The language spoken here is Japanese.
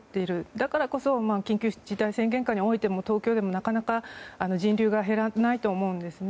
だからこそ緊急事態宣言下においても東京でもなかなか人流が減らないと思うんですね。